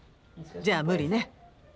じゃあ無理ね。